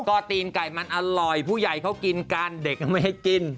ก็ตีนไก่มันอร่อยผู้ใหญ่เขากินกันเด็กก็ไม่ให้กิน